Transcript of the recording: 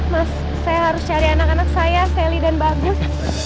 mas saya harus cari anak anak saya sally dan bagus